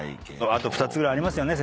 あと２つありますよね